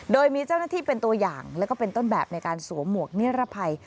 โดยมีเจ้าหน้าที่เป็นตัวอย่างแล้วก็เป็นต้นแบบในการสวมหมวกนิรภัย